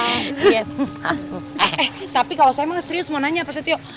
eh tapi kalau saya memang serius mau nanya pak setio